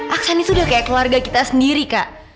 aksen itu udah kayak keluarga kita sendiri kak